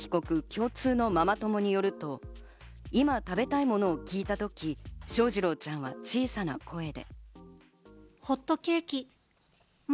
共通のママ友によると、今食べたいものを聞いた時、翔士郎ちゃんは小さな声で。